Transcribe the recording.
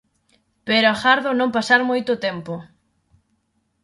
Pero agardo non pasar moito tempo.